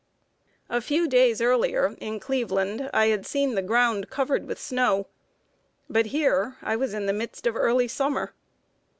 A few days earlier, in Cleveland, I had seen the ground covered with snow; but here I was in the midst of early summer.